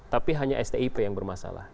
tapi hanya stip yang bermasalah